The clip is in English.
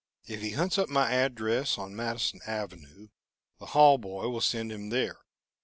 If he hunts up my address on Madison Avenue, the hall boy will send him there.